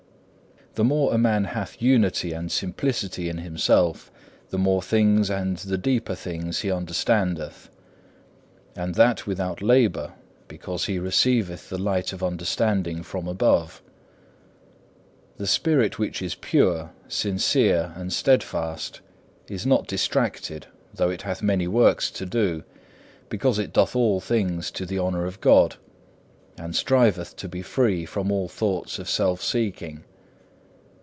3. The more a man hath unity and simplicity in himself, the more things and the deeper things he understandeth; and that without labour, because he receiveth the light of understanding from above. The spirit which is pure, sincere, and steadfast, is not distracted though it hath many works to do, because it doth all things to the honour of God, and striveth to be free from all thoughts of self seeking.